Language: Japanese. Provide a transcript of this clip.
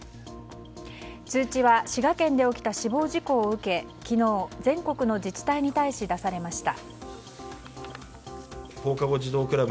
通知は滋賀県で起きた死亡事故を受け昨日、全国の自治体に対し出されました。